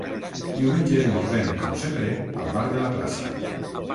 Diumenge esmorzem com sempre al bar de la plaça.